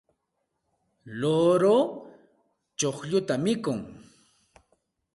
luuru chuqlluta mikun.